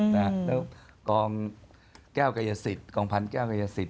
นะกองแก้วกายศิทย์กองพันธุ์แก้วกายศิทย์